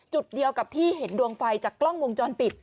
จุดเดียวกับที่เห็นดวงไฟจากกล้องวงจรปิด